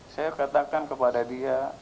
saya katakan kepada dia